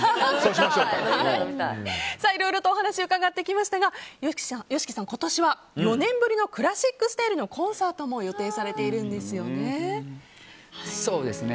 いろいろとお話を伺ってきましたがＹＯＳＨＩＫＩさん今年は４年ぶりのクラシックスタイルのコンサートも予定されているんですよね。